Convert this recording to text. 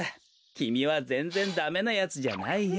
きみはぜんぜんダメなやつじゃないよ。